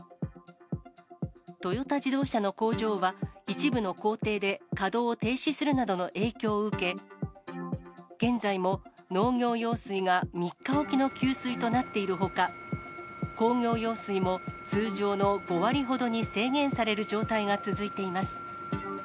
トヨタ自動車の工場は、一部の工程で稼働を停止するなどの影響を受け、現在も、農業用水が３日置きの給水となっているほか、工業用水も通常の５割ほどに制限される状態が続いています。